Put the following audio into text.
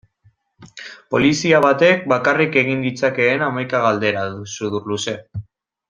Polizia batek bakarrik egin ditzakeen hamaika galdera sudurluze.